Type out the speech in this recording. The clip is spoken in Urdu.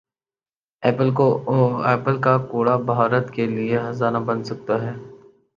ایپل کا کوڑا بھارت کیلئے خزانہ بن سکتا ہے